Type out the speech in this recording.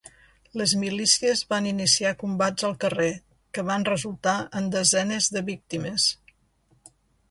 Les milícies van iniciar combats al carrer que van resultar en desenes de víctimes.